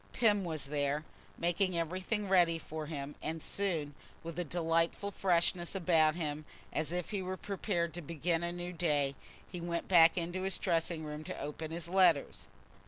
Pym was there, making everything ready for him, and soon, with a delightful freshness about him, as if he were prepared to begin a new day, he went back into his dressing room to open his letters.